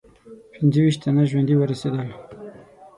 پنځه ویشت تنه ژوندي ورسېدل.